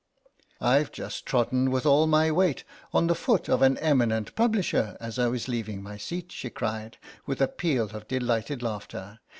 "I've just trodden with all my weight on the foot of an eminent publisher as I was leaving my seat," she cried, with a peal of delighted laughter.